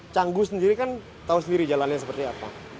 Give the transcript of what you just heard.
cangguh sendiri kan tau sendiri jalannya seperti apa